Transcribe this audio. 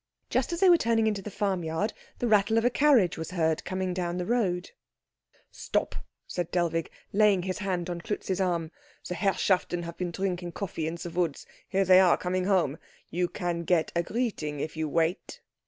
Just as they were turning into the farmyard the rattle of a carriage was heard coming down the road. "Stop," said Dellwig, laying his hand on Klutz's arm, "the Herrschaften have been drinking coffee in the woods here they are, coming home. You can get a greeting if you wait."